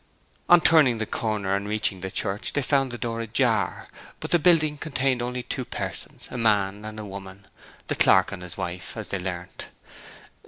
On turning the corner and reaching the church they found the door ajar; but the building contained only two persons, a man and a woman, the clerk and his wife, as they learnt.